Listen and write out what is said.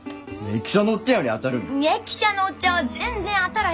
易者のおっちゃんは全然当たらへんがな。